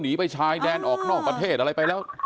หนีไปชายแดนออกนอกประเทศอะไรไปแล้ว